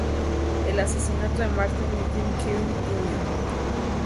El asesinato de Martin Luther King Jr.